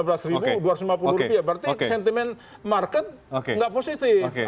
berarti sentimen market nggak positif